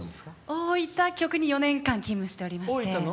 大分局に４年間勤務していまして。